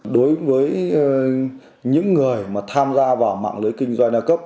đối với những người mà tham gia vào mạng lưới kinh doanh đa cấp